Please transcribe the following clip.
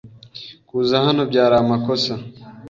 Kuza hano byari amakosa.